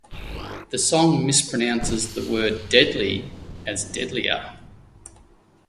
The song mispronounces the word "deadly" as "deadlier".